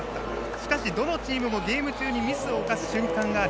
しかし、どのチームもゲーム中にミスを犯す瞬間がある。